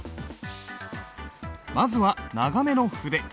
まずは長めの筆。